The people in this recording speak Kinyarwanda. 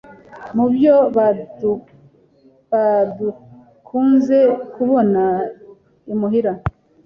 mubyo badakunze kubona imuhira